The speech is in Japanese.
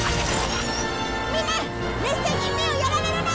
みんな熱線に目をやられるな！